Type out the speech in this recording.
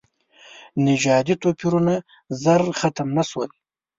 نژادي توپیرونه ژر ختم نه شول.